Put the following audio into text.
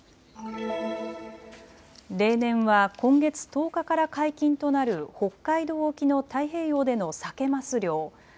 例年は今月１０日から解禁となる北海道沖の太平洋でのサケマス漁。